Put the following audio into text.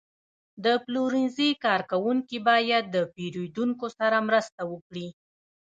د پلورنځي کارکوونکي باید د پیرودونکو سره مرسته وکړي.